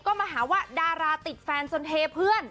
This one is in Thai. ก็มาหาว่าดาราติดแฟนจนเทเพื่อน